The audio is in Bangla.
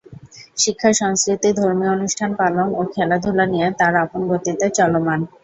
শিক্ষা, সংস্কৃতি, ধর্মীয় অনুষ্ঠান পালন ও খেলাধুলা নিয়ে তার আপন গতিতে চলমান।